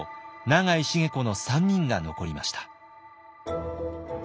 永井繁子の３人が残りました。